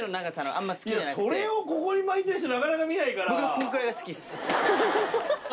それをここに巻いてる人なかなか見ないから。